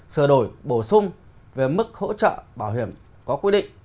sửa đổi bổ sung về mức hỗ trợ bảo hiểm có quy định